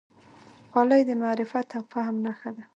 خولۍ د معرفت او فهم نښه ده.